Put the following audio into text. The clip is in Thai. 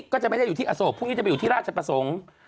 ก็จะไม่ได้อยู่ที่อโศกพรุ่งนี้จะไปอยู่ที่ราชประสงค์